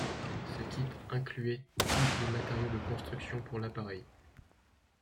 Ce kit incluait tous les matériaux de construction pour l'appareil.